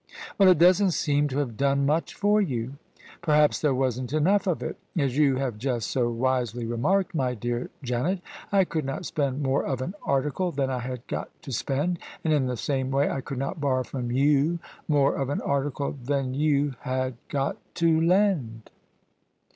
" Well, it doesn't seem to have done much for you." " Perhaps there wasn't enough of it. As you have just so wisely remarked, my dear Janet, I could not spend more of an article than I had got to spend : and in the same way I could not borrow from you more of an article than you had got to lend."